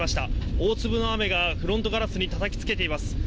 大粒の雨がフロントガラスにたたきつけています。